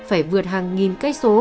phải vượt hàng nghìn cây số